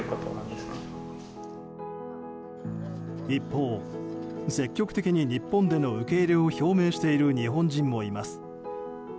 一方、積極的に日本での受け入れを表明している日本人もいます。